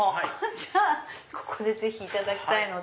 じゃあここでいただきたいので。